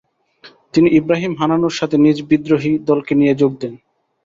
তিনি ইবরাহিম হানানুর সাথে নিজ বিদ্রোহী দলকে নিয়ে যোগ দেন।